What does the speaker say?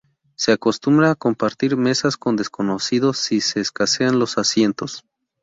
Se acostumbra a compartir mesas con desconocidos si escasean los asientos.